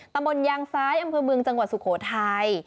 ตำบลยางซ้ายอำเภอเมืองจังหวัดสุโขทัย